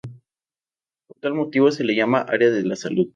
Por tal motivo se le llama Área de la Salud.